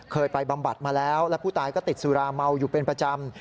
ไปบำบัดมาแล้วแล้วผู้ตายก็ติดสุราเมาอยู่เป็นประจำ